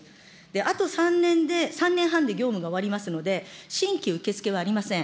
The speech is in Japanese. あと３年で、３年半で業務が終わりますので、新規受け付けはありません。